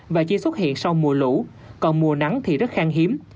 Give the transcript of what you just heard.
và chỉ xuất hiện sau mùa lũ còn mùa nắng thì rất khang hiếm